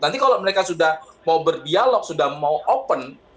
nanti kalau mereka sudah mau berdialog sudah mau open